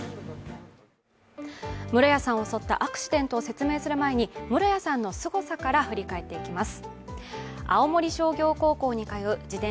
室谷さんを襲ったアクシデントを説明する前に、室谷さんのすごさから振り返っていきます。